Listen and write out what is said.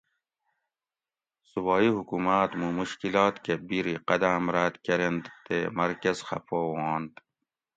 صوبائی حکوماۤت مُوں مشکلات کہ بِری قداۤم راۤت کۤرینت تے مرکز خفہ ہُوانت